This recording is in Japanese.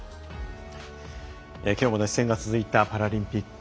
きょうも熱戦が続いたパラリンピック。